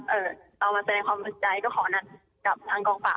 เออตอนมาแสดงความรับใจก็ขอนัดกับทางกองปลา